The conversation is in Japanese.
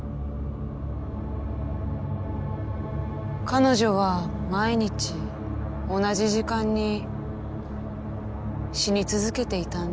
彼女は毎日同じ時間に死に続けていたんです。